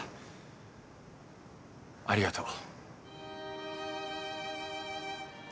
ありがとう。